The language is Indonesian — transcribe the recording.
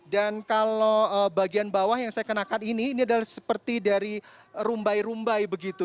kalau bagian bawah yang saya kenakan ini ini adalah seperti dari rumbai rumbai begitu